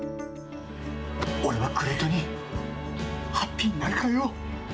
俺はグレートにハッピーになるからよ。